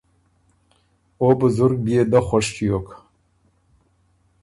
او بزرګ بيې دۀ خوش ݭیوک